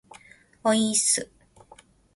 おいーっす